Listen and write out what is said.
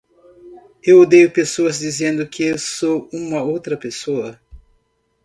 Eu odeio pessoas dizendo que sou como outra pessoa.